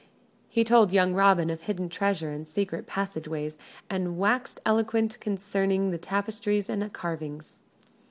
He told young Robin of hidden treasure and secret passage ways, and waxed eloquent concerning the tapestries and carvings.